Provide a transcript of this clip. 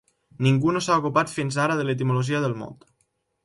Ningú no s'ha ocupat fins ara de l'etimologia del mot.